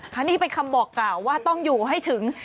อันนี้เป็นคำบอกกล่าวว่าต้องอยู่ให้ถึง